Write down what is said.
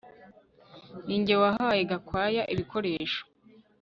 Ninjye wahaye Gakwaya ibikoresho